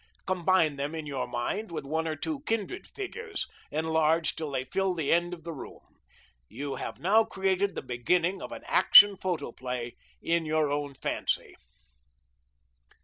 Combine them in your mind with one or two kindred figures, enlarged till they fill the end of the room. You have now created the beginning of an Action Photoplay in your own fancy.